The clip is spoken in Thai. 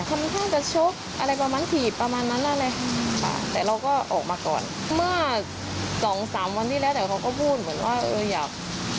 ค่อนข้างจะชกอะไรประมาณถีบประมาณนั้นเลยค่ะแต่เราก็ออกมาก่อนเมื่อสองสามวันที่แล้วแต่เขาก็พูดเหมือนว่าเอออยาก